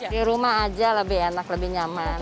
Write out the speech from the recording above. di rumah aja lebih enak lebih nyaman